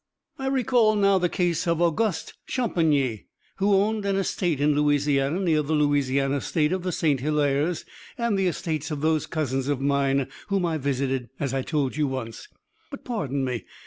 I recall now the case of Auguste Champigny, who owned an estate in Louisiana, near the Louisiana estate of the St. Hilaires, and the estates of those cousins of mine whom I visited, as I told you once. "But pardon me.